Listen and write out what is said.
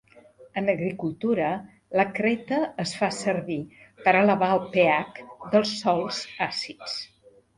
En agricultura la creta es fa servir per elevar el pH dels sòls àcids.